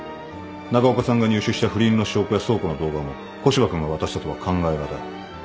長岡さんが入手した不倫の証拠や倉庫の動画も古芝君が渡したとは考え難い。